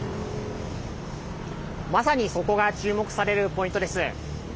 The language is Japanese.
まさにそこが注目されるポイントです。